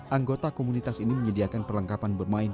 anggota komunitas ini menyediakan perlengkapan bermain